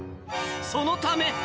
そのため。